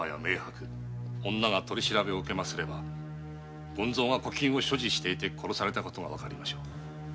女が取り調べを受ければ権造が古金を所持していて殺された事がわかりましょう。